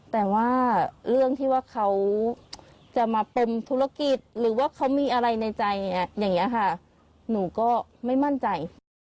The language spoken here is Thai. แต่ว่าเรื่องที่ว่าเขาจะมาปมธุรกิจหรือว่าเขามีอะไรในใจอย่างนี้ค่ะหนูก็ไม่มั่นใจ